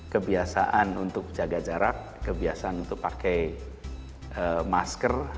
kebiasaan untuk jaga jarak kebiasaan untuk pakai masker